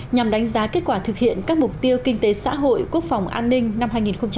nhằm đánh giá kết quả thực hiện các mục tiêu kinh tế xã hội quốc phòng an ninh năm hai nghìn hai mươi